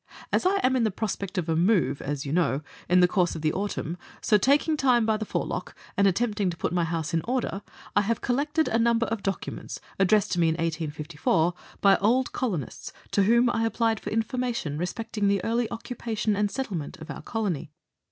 As I am in the prospect of a move, as you know, in the course of the autumn, so taking time by the forelock, and attempting to put my house in order, I have collected a number of documents, addressed to me in 1854, by old colonists, to whom I applied for information respecting the early occupa tion and settlement of our Colony.